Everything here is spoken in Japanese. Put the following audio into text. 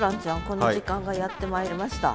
この時間がやって参りました。